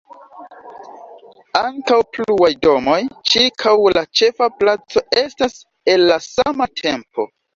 Ankaŭ pluaj domoj ĉirkaŭ la ĉefa placo estas el la sama tempo.